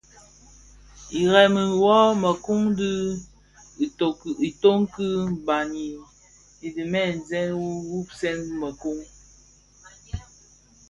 Irèmi wu mëkōň dhi kitoň ki bhan idhemzè bi gubsèn i mëkōň.